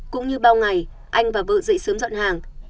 cũng như bao ngày anh và vợ dậy sớm dọn hàng